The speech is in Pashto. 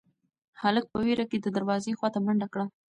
هلک په وېره کې د دروازې خواته منډه کړه.